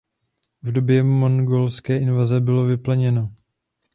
V době mongolské invaze bylo vypleněno.